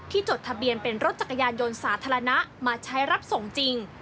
จดทะเบียนเป็นรถจักรยานยนต์สาธารณะมาใช้รับส่งจริง